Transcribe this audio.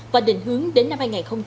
và định hướng đến năm hai nghìn ba mươi